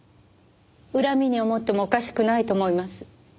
恨みに思ってもおかしくないと思います。